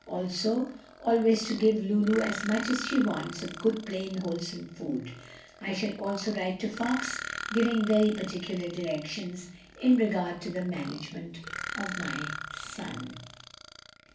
Also always to give Lulu as much as she wants of good, plain, wholesome food. I shall also write to Fox, giving very particular directions in regard to the management of my son."